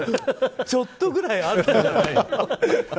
ちょっとぐらいあるでしょ。